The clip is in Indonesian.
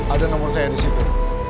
ada nomor saya disitu